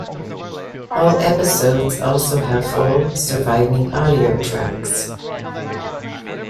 All episodes also have full surviving audio tracks.